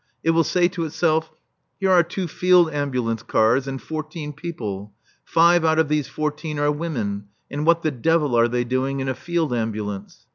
It will say to itself, "Here are two field ambulance cars and fourteen people. Five out of these fourteen are women, and what the devil are they doing in a field ambulance?"